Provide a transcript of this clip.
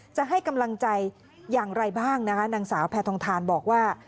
จะให้กำลังใจอย่างไรบ้างนะคะนางสาวแพทองทานบอกว่า